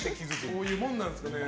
そういうものなんですかね。